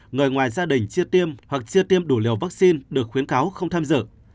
người ngoài gia đình chia tiêm hoặc chia tiêm đủ liều vaccine được khuyến kháo không tham dự